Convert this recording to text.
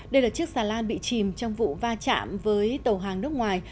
đây là chiếc xà lan bị chìm trong vụ va chạm với tàu hàng nước ngoài